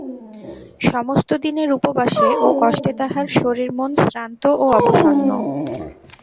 সমস্ত দিনের উপবাসে ও কষ্টে তাহার শরীর-মন শ্রান্ত ও অবসন্ন।